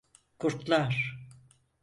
Kurtlar…